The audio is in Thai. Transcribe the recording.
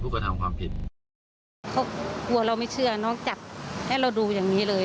เขากลัวเราไม่เชื่อน้องจับให้เราดูอย่างนี้เลย